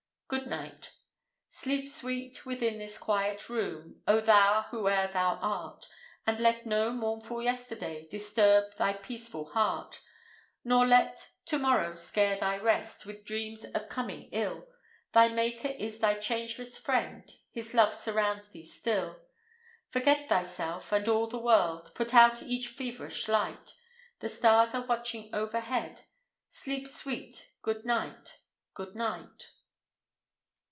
— GOOD NIGHT. Sleep sweet within this quiet room, Oh thou! whoe'er thou art, And let no mournful yesterday Disturb thy peaceful heart; Nor let to morrow scare thy rest With dreams of coming ill; Thy Maker is thy changeless friend, His love surrounds thee still. Forget thyself and all the world, Put out each feverish light; The stars are watching overhead, Sleep sweet, Good Night, Good Night.